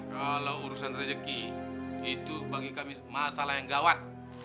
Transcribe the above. kalau urusan rezeki itu bagi kami masalah yang gawat